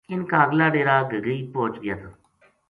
ان کا اگلا ڈیرا گگئی پوہچ گیا تھا